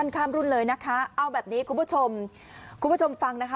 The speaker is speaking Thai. ข้ามรุ่นเลยนะคะเอาแบบนี้คุณผู้ชมคุณผู้ชมฟังนะคะ